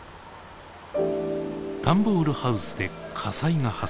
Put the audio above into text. ダンボールハウスで火災が発生。